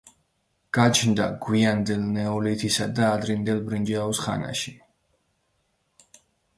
გაჩნდა გვიანდელ ნეოლითისა და ადრინდელი ბრინჯაოს ხანაში.